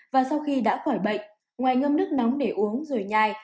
và sau khi đã khỏi bệnh ngoài ngâm nước nóng để uống rồi nhai